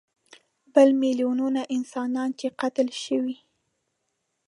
بل میلیونونه انسانان چې قتل شوي.